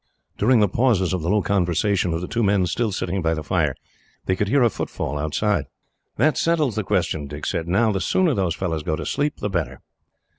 During the pauses of the low conversation of the two men still sitting by the fire, they could hear a footfall outside. "That settles the question," Dick said. "Now, the sooner those fellows go to sleep, the better."